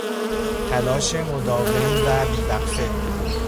تلاش مداوم و بیوقفه